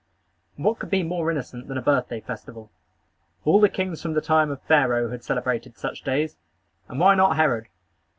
What could be more innocent than a birthday festival? All the kings from the time of Pharaoh had celebrated such days; and why not Herod?